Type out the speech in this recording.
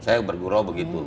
saya bergurau begitu